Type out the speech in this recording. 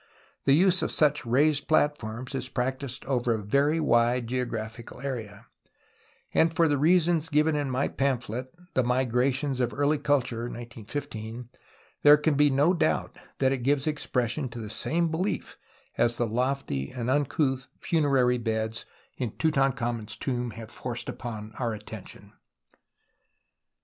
The use of such raised plat forms is practised over a very wide geographical area, and for the reasons given in my pamphlet The 3Iigrations of Early Culture (1915). There can be no doubt that it gives expression to the same belief as the lofty and uncouth funerary beds in Tutankhamen's tomb have forced upon our attention.